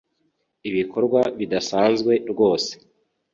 ibikorwa bidasanzwe rwose